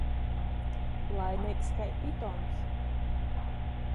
Laimeigs kai pitons.